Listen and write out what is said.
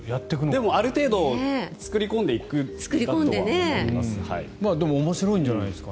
でもある程度作り込んでいくんだとは思います。